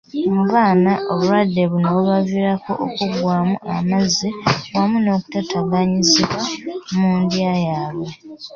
Mu baana, obulwadde buno bubaviirako okuggwaamu amazzi wamu n'okutaataganyizibwa mu ndya yaabwe